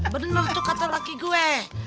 bener tuh kata laki gue